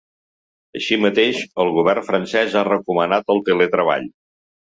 Així mateix, el govern francès ha recomanat el teletreball.